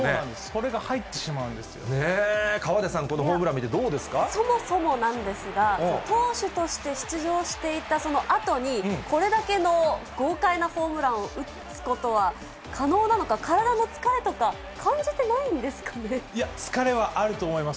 それが入って河出さん、このホームラン見そもそもなんですが、投手として出場していたそのあとに、これだけの豪快なホームランを打つことは可能なのか、体の疲れと疲れはあると思います。